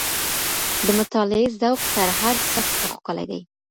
د مطالعې ذوق تر هر څه ښکلی دی.